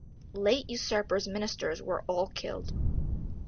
Late usurper's Ministers were all killed.